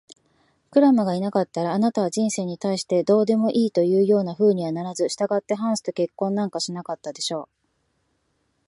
クラムがいなかったら、あなたは人生に対してどうでもいいというようなふうにはならず、したがってハンスと結婚なんかしなかったでしょう。